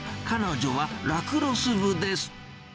彼女はラクロス部です。